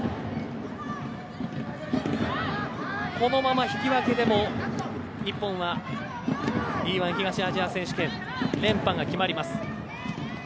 このまま引き分けでも日本はＥ‐１東アジア選手権連覇が決まります。